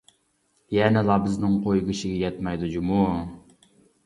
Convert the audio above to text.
يەنىلا بىزنىڭ قوي گۆشىگە يەتمەيدۇ جۇمۇ!